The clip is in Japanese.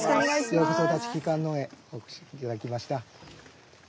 ようこそ立木観音へお越し頂きました。